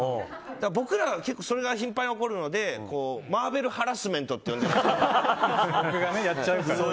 僕らは結構それが頻繁に起こるのでマーベルハラスメントって呼んでるんですけど。